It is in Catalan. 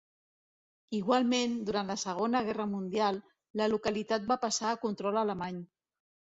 Igualment, durant la Segona Guerra Mundial, la localitat va passar a control alemany.